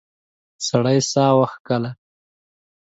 سړی ساه وکیښله.